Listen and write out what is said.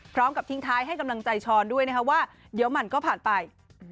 พร้อมกับทิ้งท้ายให้กำลังใจช้อนด้วยนะคะว่าเดี๋ยวมันก็ผ่านไป